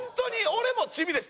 俺もチビです。